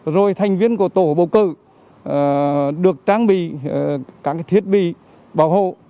rồi thành viên của tổ bầu cử được trang bị các thiết bị bảo hộ